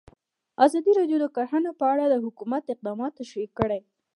ازادي راډیو د کرهنه په اړه د حکومت اقدامات تشریح کړي.